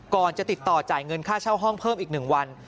ก่อนจะติดต่อจ่ายเงินค่าเช่าห้องเพิ่มอีก๑วัน